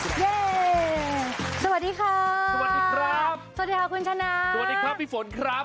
สวัสดีค่ะสวัสดีครับสวัสดีค่ะคุณชนะสวัสดีครับพี่ฝนครับ